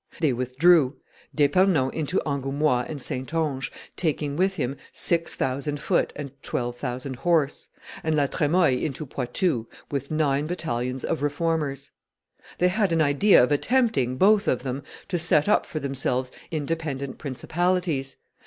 They withdrew, D'Epernon into Angoumois and Saintonge, taking with him six thousand foot and twelve thousand horse; and La Tremoille into Poitou, with nine battalions of Reformers. They had an idea of attempting, both of them, to set up for themselves independent principalities.